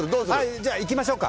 じゃあいきましょうか。